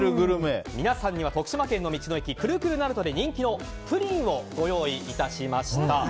皆さんには徳島県の道の駅くるくるなるとで人気のプリンをご用意いたしました。